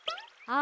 あ！